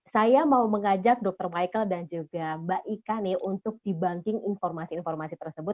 saya mau mengajak dr michael dan juga mbak ika nih untuk dibanking informasi informasi tersebut